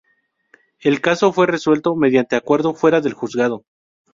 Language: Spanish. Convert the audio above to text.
El caso fue resuelto mediante acuerdo fuera del juzgado.